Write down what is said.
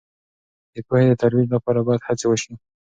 د پوهې د ترویج لپاره باید هڅې وسي.